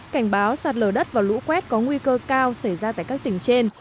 cảnh báo sạt lở đất và lũ quét có nguy cơ cao xảy ra tại các tỉnh trên